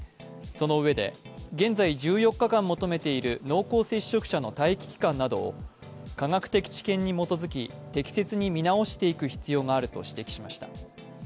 そのうえで、現在１４日間求めている濃厚接触者の待機期間などを科学的知見に基づき適切に見直していく必要があると指摘しました。